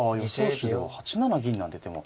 手では８七銀なんて手も。